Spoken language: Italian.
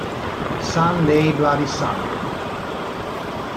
Sunday Bloody Sunday